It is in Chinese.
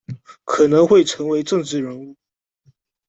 可能会成为政治人物